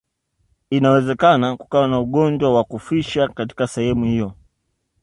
Inawezekana kukawa na ugonjwa wa kufisha katika sehemu hiyo